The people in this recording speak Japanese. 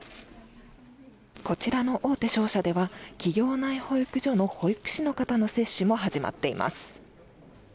こちらの大手商社では企業内保育所の保育士の方の接種も始まっています。